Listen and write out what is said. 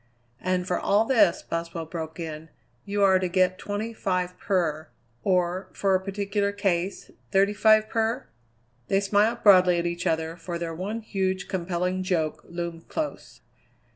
"And for all this," Boswell broke in, "you are to get twenty five per, or for a particular case, thirty five per?" They smiled broadly at each other, for their one huge, compelling joke loomed close.